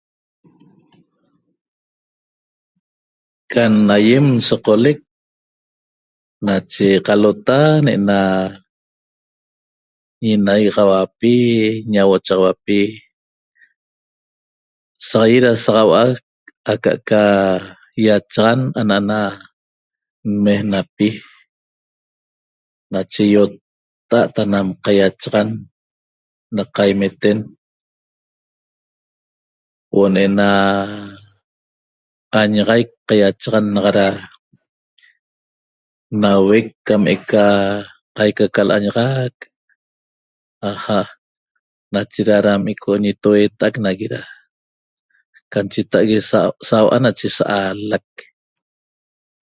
Can aýem nsoqolec nache qalota ne'ena ñinaigaxauapi ñauochaxauapi saq ýit da saxau'a aca'aca ýachaxan ana'na nmejnapi nache ýotta'a't anam qaýachaxan na qaimeten huo'o ne'ena añaxaic qaýachaxan naxa nauec cam eca qaica ca l'añaxac nacheda da ico' ñitoueeta'ac nagui da ca cheta'ague sau'a nache sa'aalac